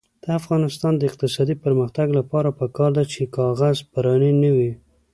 د افغانستان د اقتصادي پرمختګ لپاره پکار ده چې کاغذ پراني نه وي.